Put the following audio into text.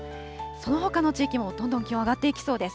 そのほかの地域もどんどん気温上がっていきそうです。